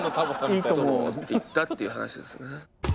「いいとも」って言ったっていう話ですね。